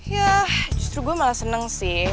ya justru gue malah seneng sih